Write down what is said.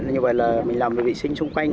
như vậy là mình làm được vị sinh xung quanh